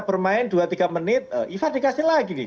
permain dua tiga menit ivar dikasih lagi nih